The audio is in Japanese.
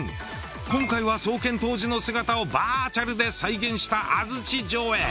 今回は創建当時の姿をバーチャルで再現した安土城へ！